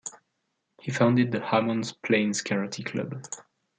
He founded the Hammonds Plains Karate Club.